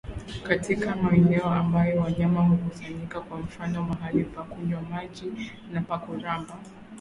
katika maeneo ambayo wanyama hukusanyika kwa mfano mahali pa kunywa maji na pa kuramba